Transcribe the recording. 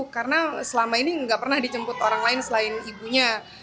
karena selama ini nggak pernah dijemput orang lain selain ibunya